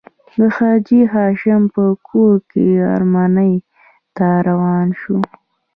د حاجي هاشم په کور کې غرمنۍ ته روان شوو.